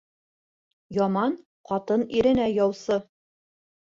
Яман ҡатын иренә яусы.